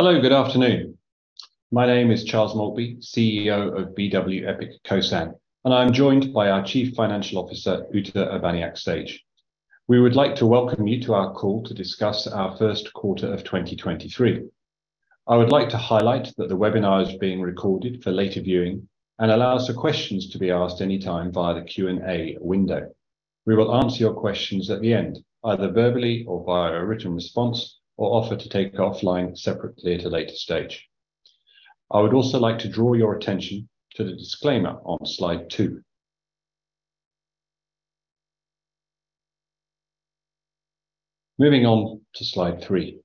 Hello, good afternoon. My name is Charles Maltby, CEO of BW Epic Kosan. I'm joined by our Chief Financial Officer, Uta Urbaniak-Sage. We would like to welcome you to our call to discuss our first quarter of 2023. I would like to highlight that the webinar is being recorded for later viewing and allow us the questions to be asked anytime via the Q&A window. We will answer your questions at the end, either verbally or via a written response, or offer to take offline separately at a later stage. I would also like to draw your attention to the disclaimer on slide two. Moving on to slide three.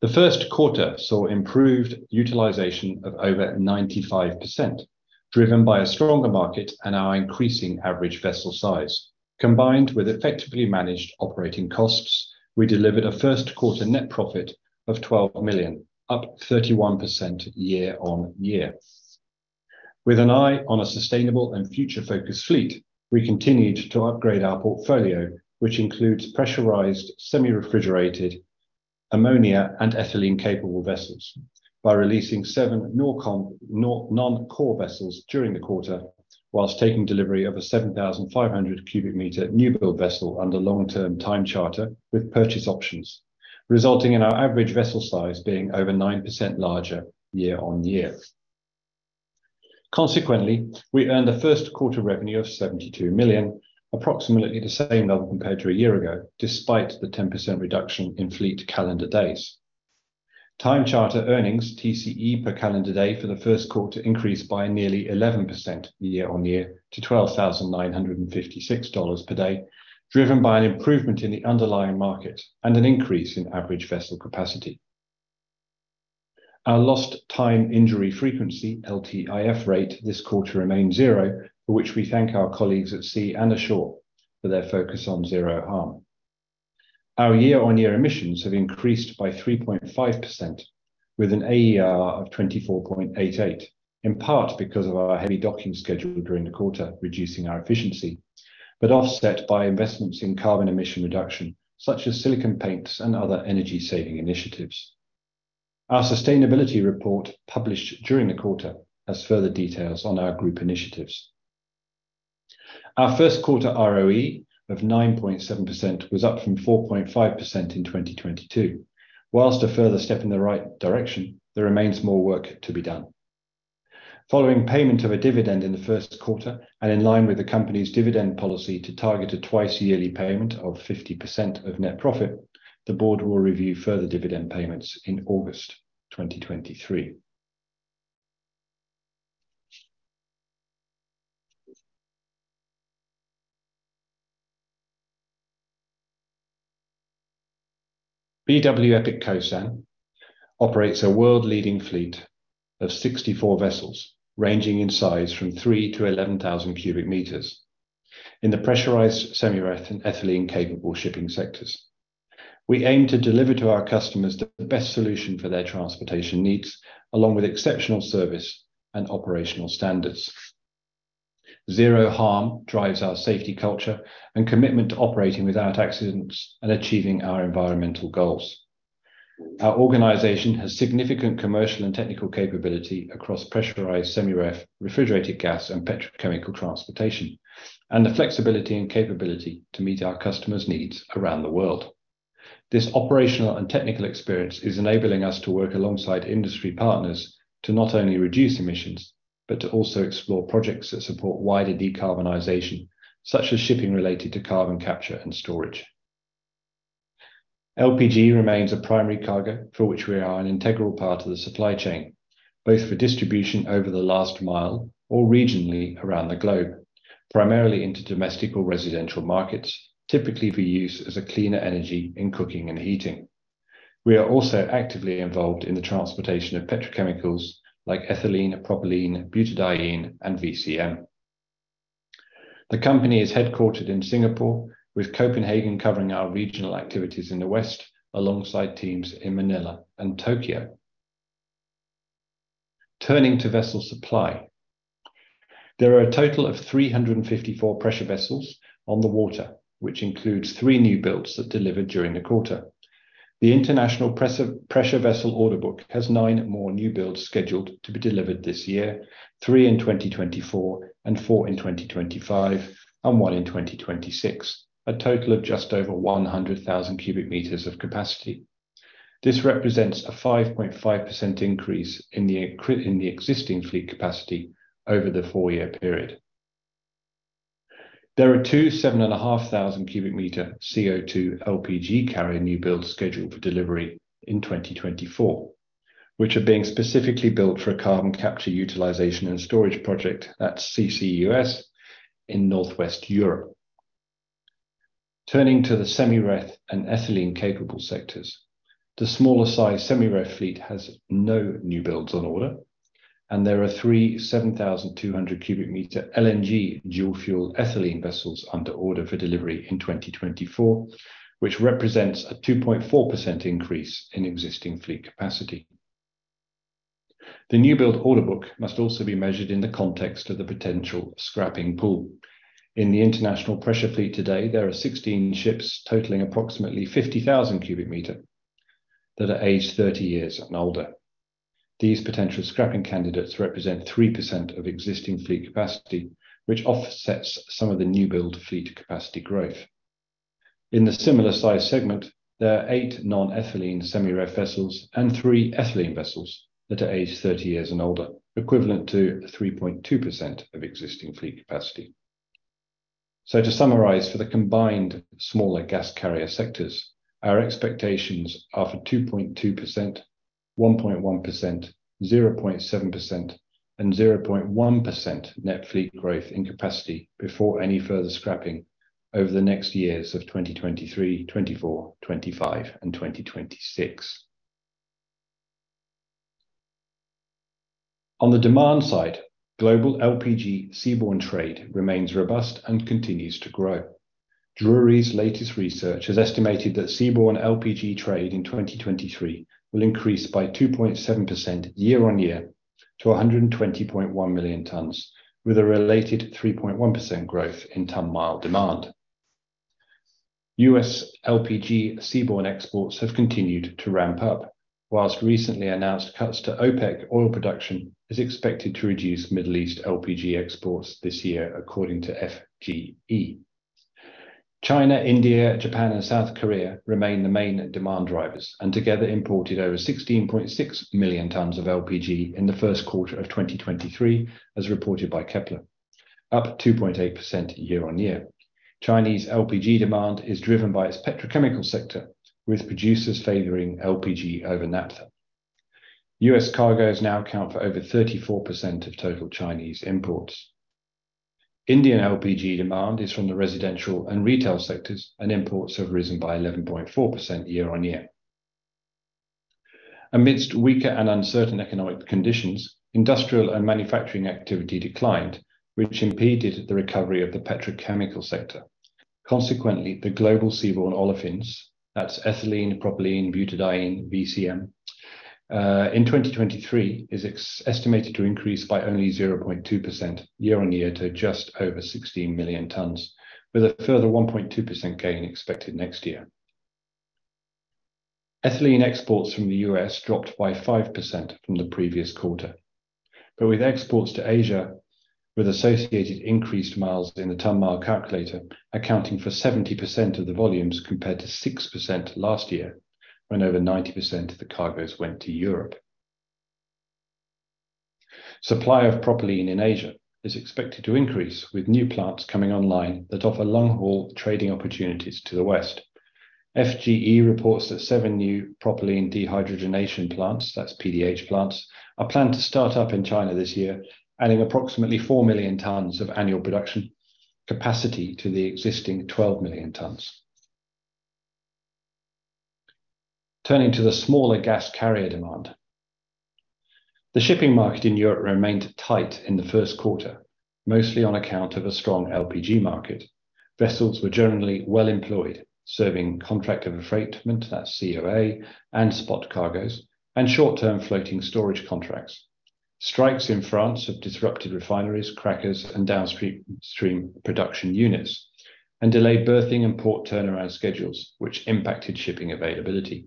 The first quarter saw improved utilization of over 95%, driven by a stronger market and our increasing average vessel size. Combined with effectively managed operating costs, we delivered a first quarter net profit of $12 million, up 31% year-on-year. With an eye on a sustainable and future-focused fleet, we continued to upgrade our portfolio, which includes pressurized, semi-refrigerated, ammonia, and ethylene-capable vessels, by releasing seven non-core vessels during the quarter, whilst taking delivery of a 7,500 cubic meter newbuild vessel under long-term time charter with purchase options, resulting in our average vessel size being over 9% larger year-on-year. Consequently, we earned a first quarter revenue of $72 million, approximately the same level compared to a year ago, despite the 10% reduction in fleet calendar days. Time charter earnings, TCE per calendar day for the first quarter, increased by nearly 11% year-on-year to $12,956 per day, driven by an improvement in the underlying market and an increase in average vessel capacity. Our lost time injury frequency, LTIF rate, this quarter remained zero, for which we thank our colleagues at sea and ashore for their focus on Zero Harm. Our year-on-year emissions have increased by 3.5%, with an AER of 24.88, in part because of our heavy docking schedule during the quarter, reducing our efficiency. Offset by investments in carbon emission reduction, such as silicone paints and other energy-saving initiatives, our sustainability report, published during the quarter, has further details on our group initiatives. Our first quarter ROE of 9.7% was up from 4.5% in 2022. Whilst a further step in the right direction, there remains more work to be done. Following payment of a dividend in the first quarter and in line with the company's dividend policy to target a twice-yearly payment of 50% of net profit, the board will review further dividend payments in August 2023. BW Epic Kosan operates a world-leading fleet of 64 vessels, ranging in size from 3,000-11,000 cubic meters in the pressurized semi-ref and ethylene-capable shipping sectors. We aim to deliver to our customers the best solution for their transportation needs, along with exceptional service and operational standards. Zero Harm drives our safety culture and commitment to operating without accidents and achieving our environmental goals. Our organization has significant commercial and technical capability across pressurized semi ref, refrigerated gas, and petrochemical transportation, and the flexibility and capability to meet our customers' needs around the world. This operational and technical experience is enabling us to work alongside industry partners to not only reduce emissions, but to also explore projects that support wider decarbonization, such as shipping related to carbon capture and storage. LPG remains a primary cargo for which we are an integral part of the supply chain, both for distribution over the last mile or regionally around the globe, primarily into domestic or residential markets, typically for use as a cleaner energy in cooking and heating. We are also actively involved in the transportation of petrochemicals like ethylene, propylene, butadiene, and VCM. The company is headquartered in Singapore, with Copenhagen covering our regional activities in the West, alongside teams in Manila and Tokyo. Turning to vessel supply, there are a total of 354 pressure vessels on the water, which includes three new builds that delivered during the quarter. The International Pressure Vessel order book has nine more new builds scheduled to be delivered this year, three in 2024, four in 2025, and one in 2026, a total of just over 100,000 cubic meters of capacity. This represents a 5.5% increase in the existing fleet capacity over the four-year period. There are two, 7,500 cubic meter CO2 LPG carrier new build scheduled for delivery in 2024, which are being specifically built for a Carbon Capture Utilization and Storage project at CCUS in Northwest Europe. Turning to the semi-ref and ethylene capable sectors, the smaller size semi-ref fleet has no newbuilds on order. There are 3 7,200 cubic meter LNG dual-fuel ethylene vessels under order for delivery in 2024, which represents a 2.4% increase in existing fleet capacity. The newbuild order book must also be measured in the context of the potential scrapping pool. In the international pressure fleet today, there are 16 ships totaling approximately 50,000 cubic meter that are aged 30 years and older. These potential scrapping candidates represent 3% of existing fleet capacity, which offsets some of the newbuild fleet capacity growth. In the similar size segment, there are eight non-ethylene semi-ref vessels and three ethylene vessels that are aged 30 years and older, equivalent to 3.2% of existing fleet capacity. To summarize, for the combined smaller gas carrier sectors, our expectations are for 2.2%, 1.1%, 0.7%, and 0.1% net fleet growth in capacity before any further scrapping over the next years of 2023, 2024, 2025 and 2026. On the demand side, global LPG seaborne trade remains robust and continues to grow. Drewry's latest research has estimated that seaborne LPG trade in 2023 will increase by 2.7% year-on-year to 120.1 million tons, with a related 3.1% growth in ton mile demand. U.S. LPG seaborne exports have continued to ramp up, whilst recently announced cuts to OPEC oil production is expected to reduce Middle East LPG exports this year, according to FGE. China, India, Japan, and South Korea remain the main demand drivers, and together imported over 16.6 million tons of LPG in the first quarter of 2023, as reported by Kpler, up 2.8% year-on-year. Chinese LPG demand is driven by its petrochemical sector, with producers favoring LPG over naphtha. US cargoes now account for over 34% of total Chinese imports. Indian LPG demand is from the residential and retail sectors, and imports have risen by 11.4% year-on-year. Amidst weaker and uncertain economic conditions, industrial and manufacturing activity declined, which impeded the recovery of the petrochemical sector. Consequently, the global seaborne olefins, that's ethylene, propylene, butadiene, VCM, in 2023, is estimated to increase by only 0.2% year-on-year to just over 16 million tons, with a further 1.2% gain expected next year. Ethylene exports from the US dropped by 5% from the previous quarter, but with exports to Asia, with associated increased miles in the ton mile calculator, accounting for 70% of the volumes, compared to 6% last year, when over 90% of the cargoes went to Europe. Supply of Propylene in Asia is expected to increase, with new plants coming online that offer long-haul trading opportunities to the West. FGE reports that seven new Propylene Dehydrogenation plants, that's PDH plants, are planned to start up in China this year, adding approximately four million tons of annual production capacity to the existing 12 million tons. Turning to the smaller gas carrier demand. The shipping market in Europe remained tight in the first quarter, mostly on account of a strong LPG market. Vessels were generally well-employed, serving contract of affreightment, that's COA, and spot cargoes and short-term floating storage contracts. Strikes in France have disrupted refineries, crackers, and downstream stream production units, and delayed berthing and port turnaround schedules, which impacted shipping availability.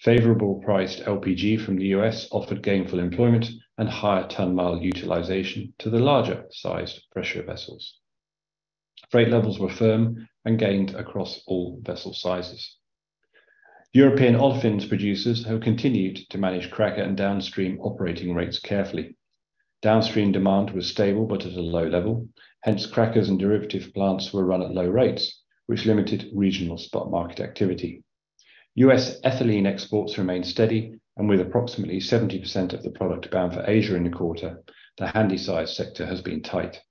Favorable priced LPG from the US offered gainful employment and higher ton mile utilization to the larger sized pressure vessels. Freight levels were firm and gained across all vessel sizes. European olefins producers have continued to manage cracker and downstream operating rates carefully. Downstream demand was stable but at a low level, hence, crackers and derivative plants were run at low rates, which limited regional spot market activity. US ethylene exports remained steady, and with approximately 70% of the product bound for Asia in the quarter, the handy-size sector has been tight.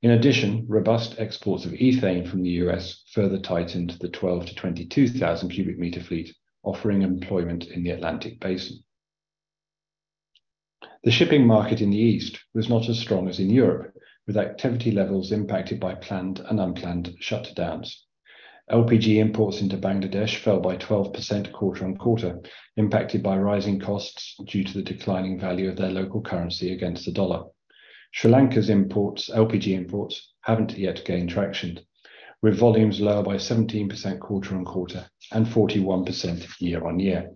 In addition, robust exports of ethane from the US further tightened the 12,000-22,000 cubic meter fleet, offering employment in the Atlantic basin. The shipping market in the East was not as strong as in Europe, with activity levels impacted by planned and unplanned shutdowns. LPG imports into Bangladesh fell by 12% quarter-on-quarter, impacted by rising costs due to the declining value of their local currency against the dollar. Sri Lanka's imports, LPG imports, haven't yet gained traction, with volumes lower by 17% quarter-on-quarter and 41% year-on-year.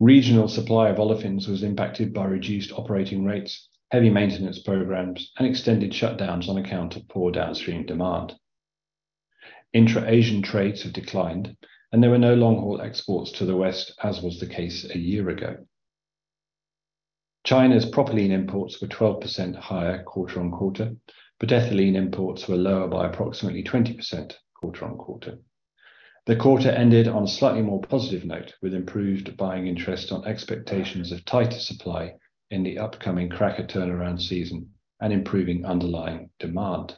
Regional supply of olefins was impacted by reduced operating rates, heavy maintenance programs, and extended shutdowns on account of poor downstream demand. Intra-Asian trades have declined, and there were no long-haul exports to the West, as was the case a year ago. China's propylene imports were 12% higher quarter-on-quarter, but Ethylene imports were lower by approximately 20% quarter-on-quarter. The quarter ended on a slightly more positive note, with improved buying interest on expectations of tighter supply in the upcoming cracker turnaround season and improving underlying demand.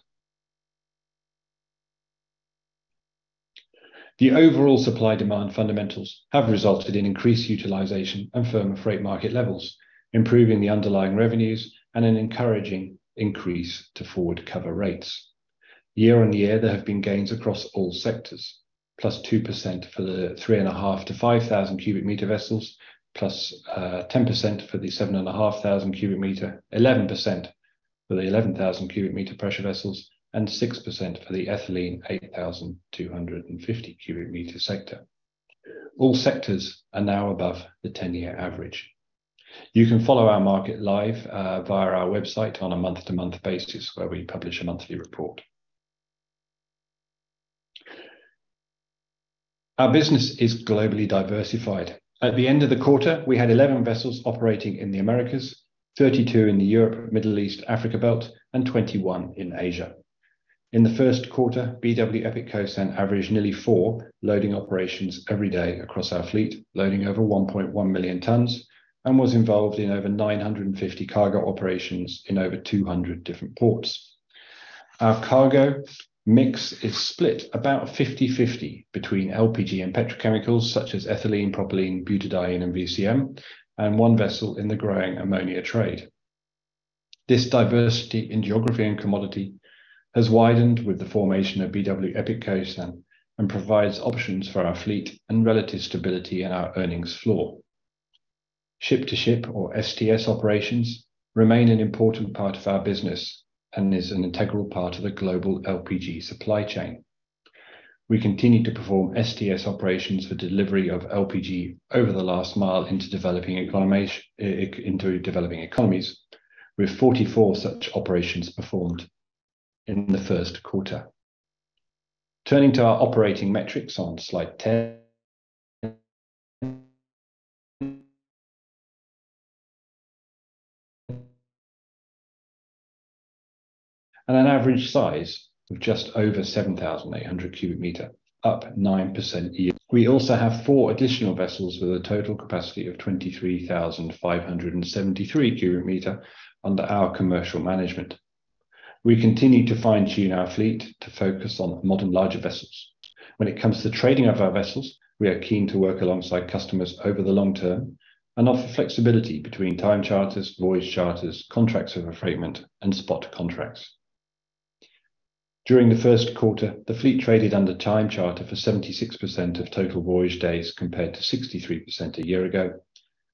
The overall supply-demand fundamentals have resulted in increased utilization and firmer freight market levels, improving the underlying revenues and an encouraging increase to forward cover rates. Year-on-year, there have been gains across all sectors.... +2% for the 3,500-5,000 cubic meter vessels, +10% for the 7,500 cubic meter, 11% for the 11,000 cubic meter pressure vessels, and 6% for the ethylene 8,250 cubic meter sector. All sectors are now above the 10-year average. You can follow our market live via our website on a month-to-month basis, where we publish a monthly report. Our business is globally diversified. At the end of the quarter, we had 11 vessels operating in the Americas, 32 in the Europe, Middle East, Africa belt, and 21 in Asia. In the first quarter, BW Epic Kosan averaged nearly four loading operations every day across our fleet, loading over 1.1 million tons, and was involved in over 950 cargo operations in over 200 different ports. Our cargo mix is split about 50/50 between LPG and petrochemicals, such as Ethylene, Propylene, Butadiene, and VCM, and one vessel in the growing Ammonia trade. This diversity in geography and commodity has widened with the formation of BW Epic Kosan and provides options for our fleet and relative stability in our earnings floor. Ship-to-ship, or STS operations, remain an important part of our business and is an integral part of the global LPG supply chain. We continue to perform STS operations for delivery of LPG over the last mile into developing economies, with 44 such operations performed in the first quarter. Turning to our operating metrics on slide 10. An average size of just over 7,800 cubic meter, up 9% year. We also have four additional vessels with a total capacity of 23,573 cubic meter under our commercial management. We continue to fine-tune our fleet to focus on modern, larger vessels. When it comes to trading of our vessels, we are keen to work alongside customers over the long term and offer flexibility between time charters, voyage charters, contracts of affreightment, and spot contracts. During the first quarter, the fleet traded under time charter for 76% of total voyage days, compared to 63% a year ago,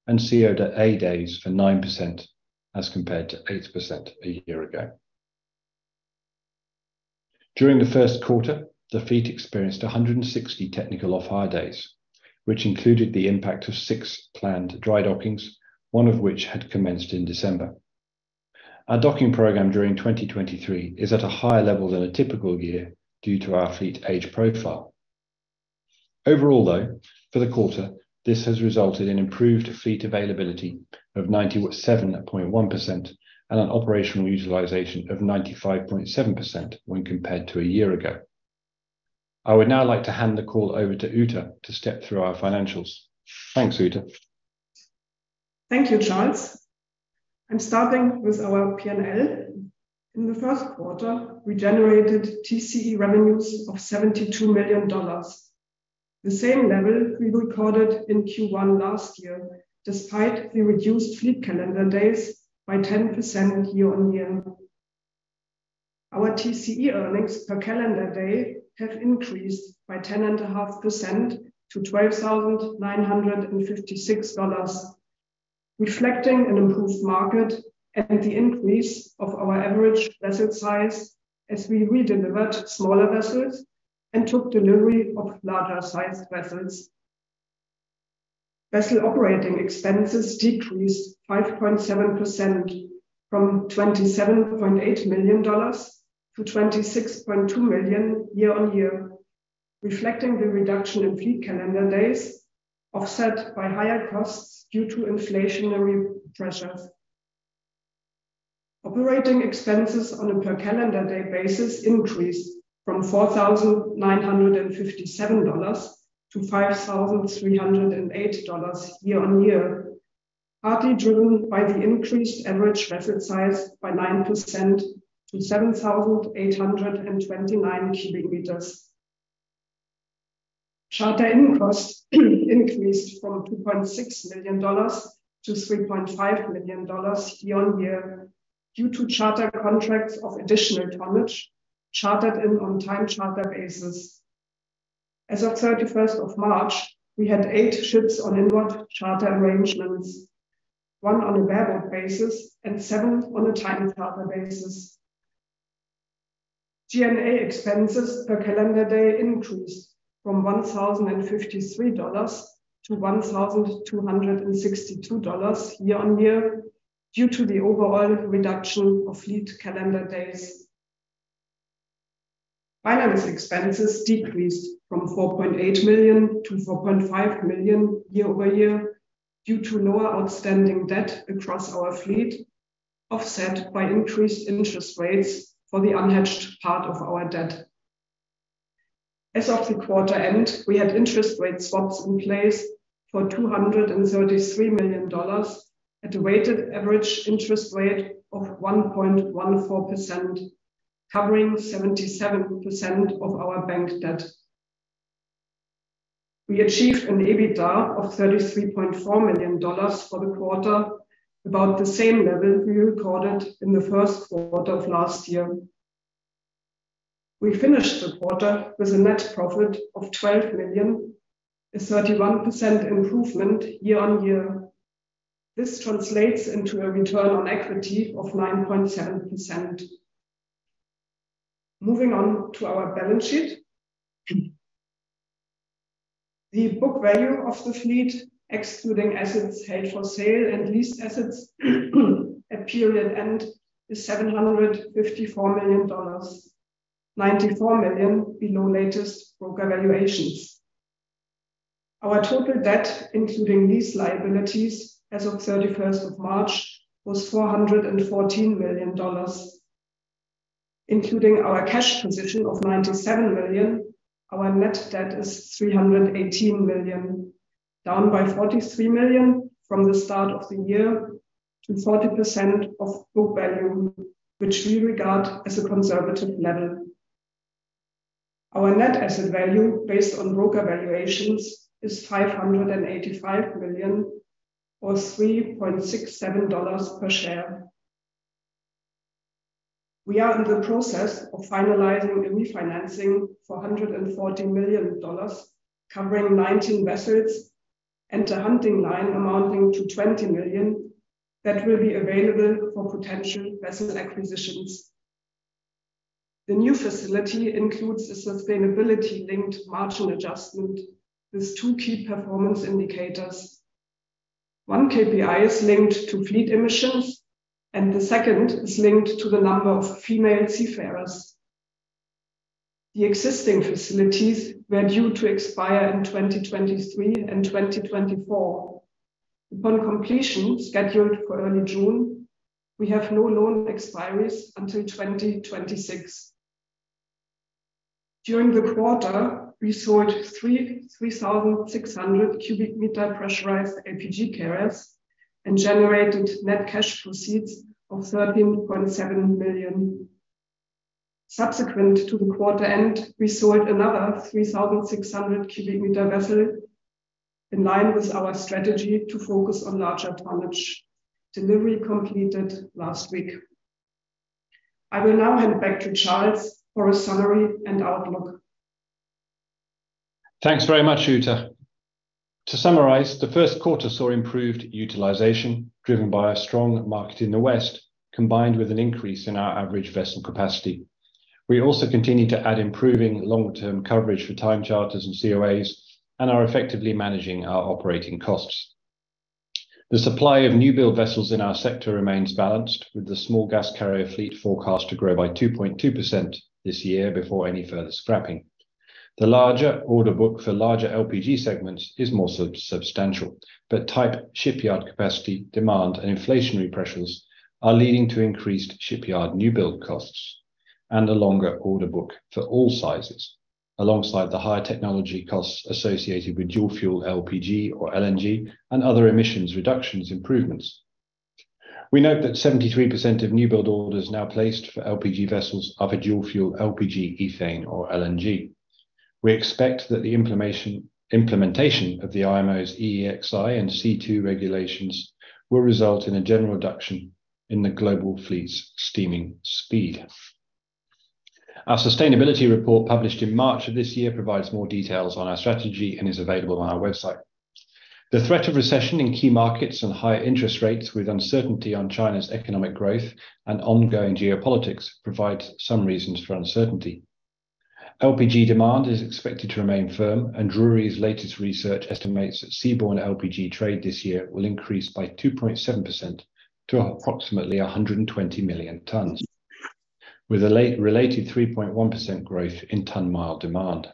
and COA days for 9%, as compared to 8% a year ago. During the first quarter, the fleet experienced 160 technical off-hire days, which included the impact of six planned dry dockings, one of which had commenced in December. Our docking program during 2023 is at a higher level than a typical year due to our fleet age profile. Overall, though, for the quarter, this has resulted in improved fleet availability of 97.1% and an operational utilization of 95.7% when compared to a year ago. I would now like to hand the call over to Uta to step through our financials. Thanks, Uta. Thank you, Charles. I'm starting with our PNL. In the first quarter, we generated TCE revenues of $72 million, the same level we recorded in Q1 last year, despite the reduced fleet calendar days by 10% year-on-year. Our TCE earnings per calendar day have increased by 10.5% to $12,956, reflecting an improved market and the increase of our average vessel size as we redelivered smaller vessels and took delivery of larger-sized vessels. Vessel operating expenses decreased 5.7% from $27.8 million to $26.2 million year-on-year, reflecting the reduction in fleet calendar days, offset by higher costs due to inflationary pressures. Operating expenses on a per calendar day basis increased from $4,957 to $5,308 year-on-year, partly driven by the increased average vessel size by 9% to 7,829 cubic meters. Charter in costs increased from $2.6 million to $3.5 million year-on-year due to charter contracts of additional tonnage chartered in on time charter basis. As of 31st of March, we had eight ships on inward charter arrangements, one on a bareboat basis and seven on a time charter basis. G&A expenses per calendar day increased from $1,053 to $1,262 year-on-year due to the overall reduction of fleet calendar days. Finance expenses decreased from $4.8 million to $4.5 million year-over-year, due to lower outstanding debt across our fleet, offset by increased interest rates for the unhedged part of our debt. As of the quarter end, we had interest rate swaps in place for $233 million at a weighted average interest rate of 1.14%, covering 77% of our bank debt. We achieved an EBITDA of $33.4 million for the quarter, about the same level we recorded in the first quarter of last year. We finished the quarter with a net profit of $12 million, a 31% improvement year-on-year. This translates into a return on equity of 9.7%. Moving on to our balance sheet. The book value of the fleet, excluding assets held for sale and leased assets at period end, is $754 million, $94 million below latest broker valuations. Our total debt, including lease liabilities, as of 31st of March, was $414 million. Including our cash position of $97 million, our net debt is $318 million, down by $43 million from the start of the year, to 40% of book value, which we regard as a conservative level. Our net asset value, based on broker valuations, is $585 million, or $3.67 per share. We are in the process of finalizing a refinancing for $114 million, covering 19 vessels and a hunting line amounting to $20 million that will be available for potential vessel acquisitions. The new facility includes a sustainability-linked marginal adjustment with two key performance indicators. One KPI is linked to fleet emissions, and the second is linked to the number of female seafarers. The existing facilities were due to expire in 2023 and 2024. Upon completion, scheduled for early June, we have no loan expiries until 2026. During the quarter, we sold 3,600 cubic meter pressurized LPG carriers and generated net cash proceeds of $13.7 million. Subsequent to the quarter end, we sold another 3,600 cubic meter vessel, in line with our strategy to focus on larger tonnage. Delivery completed last week. I will now hand back to Charles for a summary and outlook. Thanks very much, Uta. To summarize, the first quarter saw improved utilization, driven by a strong market in the West, combined with an increase in our average vessel capacity. We also continued to add improving long-term coverage for time charters and COAs, and are effectively managing our operating costs. The supply of new-build vessels in our sector remains balanced, with the small gas carrier fleet forecast to grow by 2.2% this year before any further scrapping. The larger order book for larger LPG segments is more substantial, but tight shipyard capacity, demand, and inflationary pressures are leading to increased shipyard new-build costs and a longer order book for all sizes, alongside the higher technology costs associated with dual fuel LPG or LNG, and other emissions reductions improvements. We note that 73% of new-build orders now placed for LPG vessels are for dual fuel LPG, Ethane, or LNG. We expect that the implementation of the IMO's EEXI and CII regulations will result in a general reduction in the global fleet's steaming speed. Our sustainability report, published in March of this year, provides more details on our strategy and is available on our website. The threat of recession in key markets and high interest rates, with uncertainty on China's economic growth and ongoing geopolitics, provides some reasons for uncertainty. LPG demand is expected to remain firm. Drewry's latest research estimates that seaborne LPG trade this year will increase by 2.7% to approximately 120 million tons, with a related 3.1% growth in ton mile demand.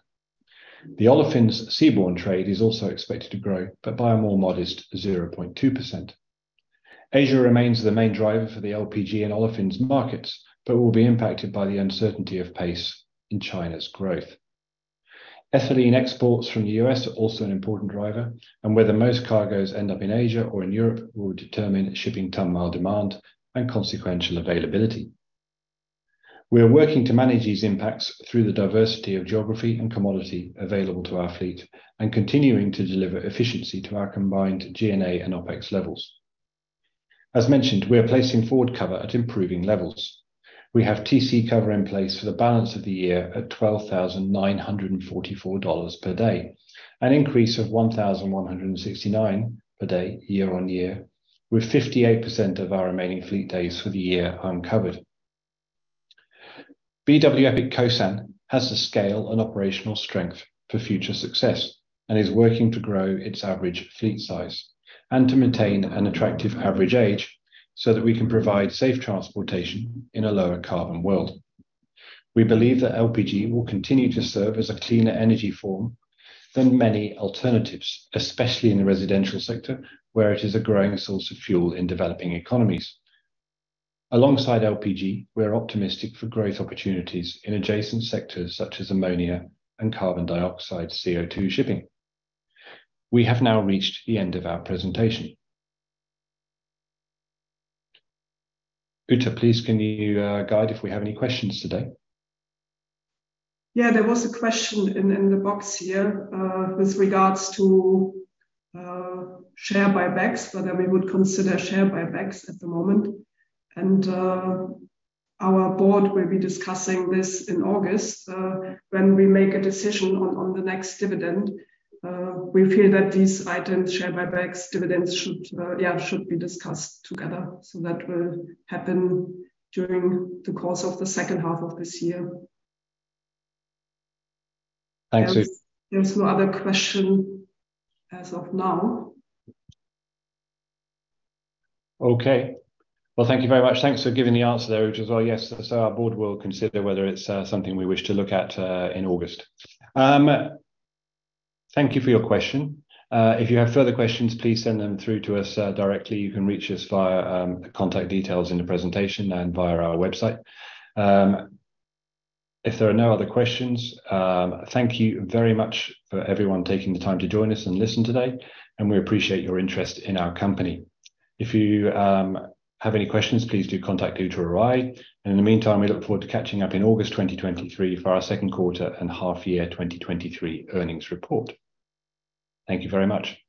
The Olefins Seaborne Trade is also expected to grow, but by a more modest 0.2%. Asia remains the main driver for the LPG and olefins markets, but will be impacted by the uncertainty of pace in China's growth. Ethylene exports from the U.S. are also an important driver, and whether most cargoes end up in Asia or in Europe will determine shipping ton mile demand and consequential availability. We are working to manage these impacts through the diversity of geography and commodity available to our fleet, and continuing to deliver efficiency to our combined G&A and OpEx levels. As mentioned, we are placing forward cover at improving levels. We have TC cover in place for the balance of the year at $12,944 per day, an increase of 1,169 per day year-on-year, with 58% of our remaining fleet days for the year uncovered. BW Epic Kosan has the scale and operational strength for future success, is working to grow its average fleet size and to maintain an attractive average age so that we can provide safe transportation in a lower carbon world. We believe that LPG will continue to serve as a cleaner energy form than many alternatives, especially in the residential sector, where it is a growing source of fuel in developing economies. Alongside LPG, we are optimistic for growth opportunities in adjacent sectors such as ammonia and carbon dioxide, CO2, shipping. We have now reached the end of our presentation. Uta, please can you guide if we have any questions today? There was a question in the box here, with regards to share buybacks, whether we would consider share buybacks at the moment. Our board will be discussing this in August, when we make a decision on the next dividend. We feel that these items, share buybacks, dividends, should, yeah, should be discussed together. That will happen during the course of the second half of this year. Thanks, Uta. There's no other question as of now. Okay. Well, thank you very much. Thanks for giving the answer there, which was, well, yes. Our board will consider whether it's something we wish to look at in August. Thank you for your question. If you have further questions, please send them through to us directly. You can reach us via the contact details in the presentation and via our website. If there are no other questions, thank you very much for everyone taking the time to join us and listen today. We appreciate your interest in our company. If you have any questions, please do contact Uta or I. In the meantime, we look forward to catching up in August 2023 for our second quarter and half year 2023 earnings report. Thank you very much.